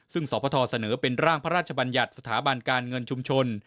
ซึ่งสพเสนอเป็นร่างพระราชบัญญัติสถาบันการเงินชุมชน